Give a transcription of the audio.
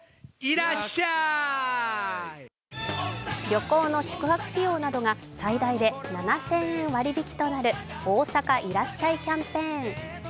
旅行の宿泊費用などが最大で７０００円割引きとなる大阪いらっしゃいキャンペーン。